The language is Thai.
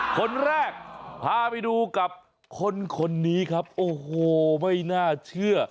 คนแรกพาไปดูกับคนคนนี้ครับโอ้โหไม่น่าเชื่อ